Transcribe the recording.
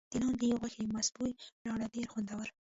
د لاندي غوښې مست بوی لاره ډېر خوندور.